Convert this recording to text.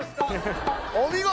お見事！